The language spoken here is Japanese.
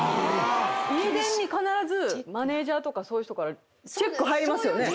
家電に必ずマネジャーとかそういう人からチェック入りますよね。